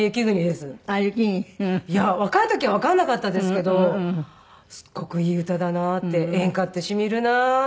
若い時はわからなかったですけどすごくいい歌だなって演歌って染みるなとか。